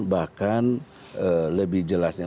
bahkan lebih jelasnya